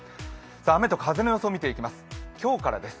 雨と風の予想を見ていきます今日からです。